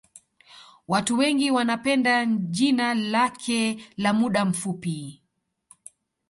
Watu wengi wanapenda jina lake la muda mfupi